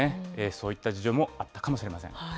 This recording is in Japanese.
そういった事情もあったかもしれません。